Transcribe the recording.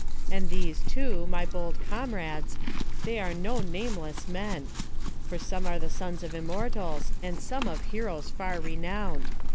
And these, too, my bold comrades, they are no nameless men; for some are the sons of immortals, and some of heroes far renowned.